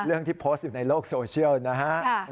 ที่โพสต์อยู่ในโลกโซเชียลนะฮะ